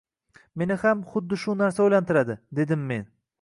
Meni ham xuddi shu narsa oʻylantiradi, – dedim men.